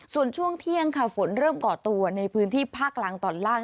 ส่วนช่วงเที่ยงค่ะฝนเริ่มก่อตัวในพื้นที่ภาคกลางตอนล่าง